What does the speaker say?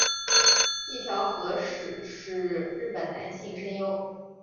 一条和矢是日本男性声优。